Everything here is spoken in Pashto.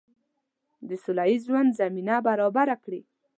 د سوله ییز ژوند زمینه برابره کړي.